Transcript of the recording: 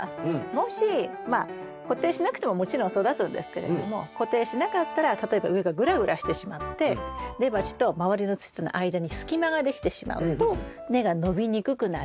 もしまあ固定しなくてももちろん育つんですけれども固定しなかったら例えば上がグラグラしてしまって根鉢と周りの土との間に隙間ができてしまうと根が伸びにくくなる。